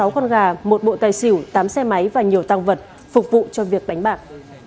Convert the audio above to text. một mươi sáu con gà một bộ tay xỉu tám xe máy và nhiều tăng vật phục vụ cho việc bánh bạc